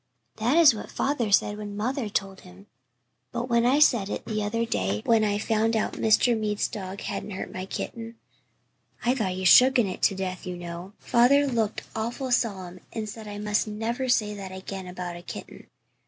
"That is what father said when mother told him. But when l said it the other day when I found out Mr. Mead's dog hadn't hurt my kitten I thought he had shooken it to death, you know father looked awful solemn and said I must never say that again about a kitten.